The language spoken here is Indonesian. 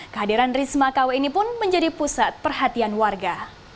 kehadiran risma kw ini pun menjadi pusat perhatian warga